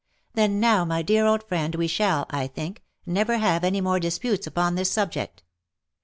" Then now my dear old friend we shall, I think, never have any more disputes upon this subject.